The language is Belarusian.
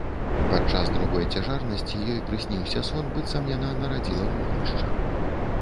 Падчас другой цяжарнасці ёй прысніўся сон, быццам яна нарадзіла вогнішча.